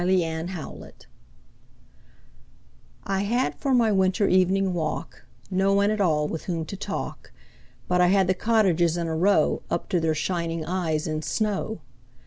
Good Hours I HAD for my winter evening walk No one at all with whom to talk, But I had the cottages in a row Up to their shining eyes in snow.